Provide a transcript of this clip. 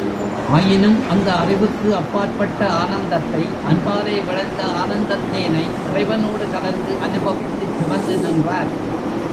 ஆயினும், அந்த அறிவுக்கும் அப்பாற்பட்ட ஆனந்தத்தை, அன்பாலே விளைந்த ஆனந்தத் தேனை, இறைவனோடு கலந்து அநுபவித்துச் சிறந்து நின்றார்.